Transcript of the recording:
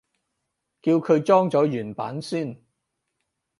叫佢裝咗原版先